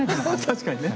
確かにね。